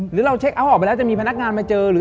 หรือเราเช็คเอาท์ออกไปแล้วจะมีพนักงานมาเจอหรือ